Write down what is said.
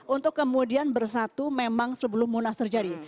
untuk kemudian bersatu memang sebelum munas terjadi